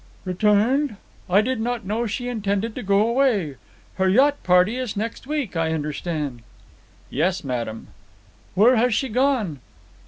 "Returned? I did not know she intended to go away. Her yacht party is next week, I understand." "Yes, madam." "Where has she gone?"